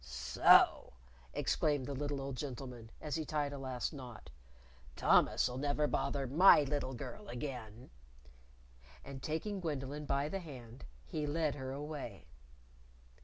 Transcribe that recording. "So!" exclaimed the little old gentleman as he tied a last knot. "Thomas'll never bother my little girl again." And taking Gwendolyn by the hand, he led her away.